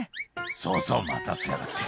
「そうそう待たせやがって」